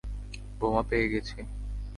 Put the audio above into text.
বোমা পেয়ে গেছি।